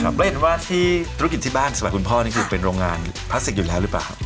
เบนว่าธุรกิจที่บ้านสมัครคุณพ่อนี่เป็นโรงงานพลาสติกอยู่แล้วหรือเปล่า